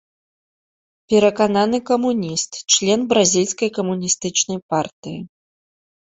Перакананы камуніст, член бразільскай камуністычнай партыі.